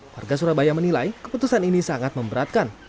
warga surabaya menilai keputusan ini sangat memberatkan